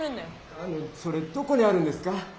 あのそれどこにあるんですか？